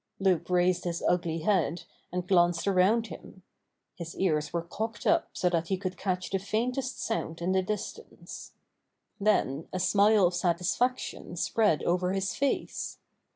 Loup raised his ugly head and glanced around him. His ears Were cocked up so that he could catch the faintest sound in the dis tance. Then a smile of satisfaction spread over his face.